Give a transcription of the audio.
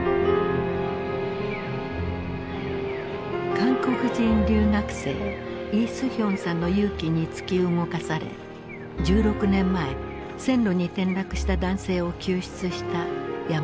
韓国人留学生イ・スヒョンさんの勇気に突き動かされ１６年前線路に転落した男性を救出した山本勲さん。